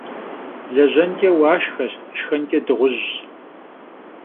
Lejenç'e vuaşşxeş, şşxenç'e dığujş.